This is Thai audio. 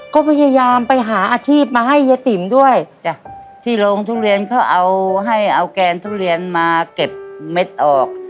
ก็พยายามไปหาอาชีพมาให้เย้ติ๋มด้วยที่โรงทุเรียนเขาเอาให้เอาแกนทุเรียนมาเก็บเม็ดออก